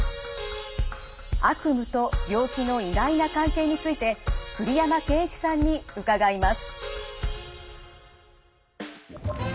悪夢と病気の意外な関係について栗山健一さんに伺います。